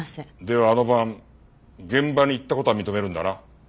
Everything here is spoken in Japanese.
ではあの晩現場に行った事は認めるんだな？